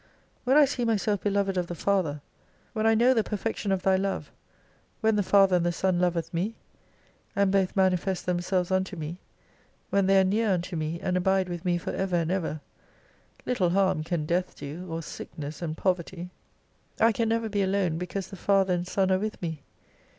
When I see myself beloved of the Father ; when I know the perfection of Thy love, when the Father and the Son loveth me, and both manifest themselves unto me ; when they are near unto me and abide with me for ever and ever ; little harm can death do, or sickness and poverty. I can never be alone because the Father and Son are with me.